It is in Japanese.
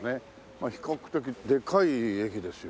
まあ比較的でかい駅ですよ